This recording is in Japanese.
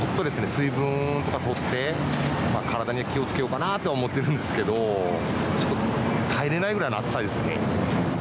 水分とか取って体に気をつけようかなとは思ってるんですけどちょっと耐えれないぐらいの暑さですね。